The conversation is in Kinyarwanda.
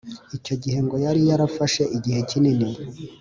Icyo gihe ngo yari yarafashe igihe kinini